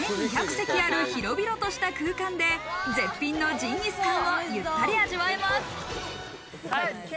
席ある広々とした空間で、絶品のジンギスカンをゆったり味わえます。